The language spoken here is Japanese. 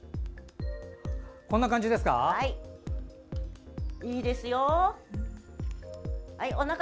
こんな感じですか？